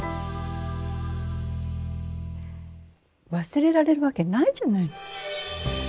忘れられるわけないじゃないの。